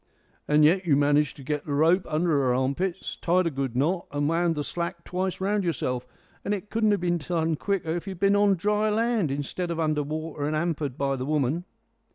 "And yet you managed to get the rope under her armpits, tied a good knot, and wound the slack twice round yourself! And it couldn't have been done quicker if you had been on dry land, instead of under water and 'ampered by the woman."